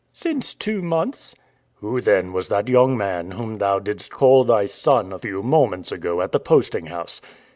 "Since two months." "Who, then, was that young man whom thou didst call thy son a few moments ago at the posting house?"